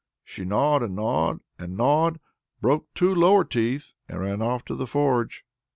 She gnawed, and gnawed, and gnawed broke two lower teeth, and ran off to the forge.